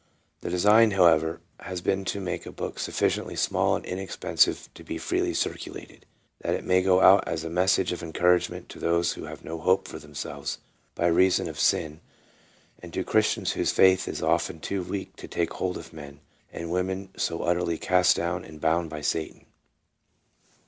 The design, however, has been to make a book sufficiently small and inex pensive to be freely circulated, that it may go out as a message of encouragement to those who have no hope for themselves by reason of sin, and to Christians whose faith. is often too weak to take hold of men and women so utterly cast down and bound by Satan.